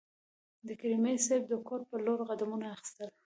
د کریمي صیب د کور په لور قدمونه اخیستل.